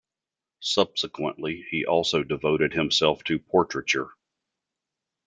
Subsequently he also devoted himself to portraiture.